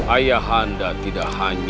ayah anda tidak akan menangkapmu